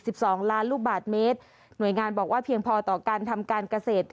สองล้านลูกบาทเมตรหน่วยงานบอกว่าเพียงพอต่อการทำการเกษตร